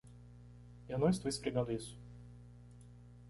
Eu não estou esfregando isso.